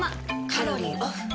カロリーオフ。